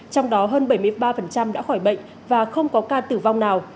trong đó hơn bảy mươi ba đã khỏi bệnh và không có ca tử vong nào